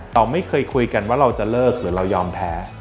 เราไม่เคยคุยกันว่าเราจะเลิกหรือเรายอมแพ้